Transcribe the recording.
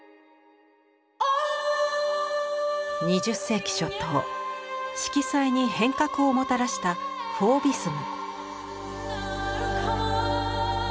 ２０世紀初頭「色彩」に変革をもたらした「フォーヴィスム」。